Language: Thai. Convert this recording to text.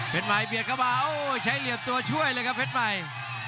เผชต์ใหม่เปียกกว่าใช้เหลี่ยมตัวช่วยเลยครับเพชรใหม่